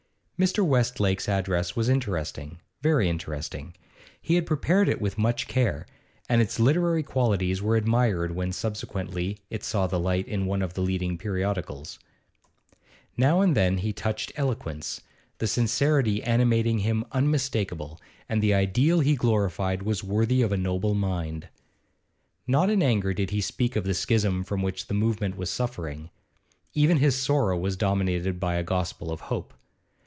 Mr. Westlake's address was interesting, very interesting; he had prepared it with much care, and its literary qualities were admired when subsequently it saw the light in one of the leading periodicals. Now and then he touched eloquence; the sincerity animating him was unmistakable, and the ideal he glorified was worthy of a noble mind. Not in anger did he speak of the schism from which the movement was suffering; even his sorrow was dominated by a gospel of hope.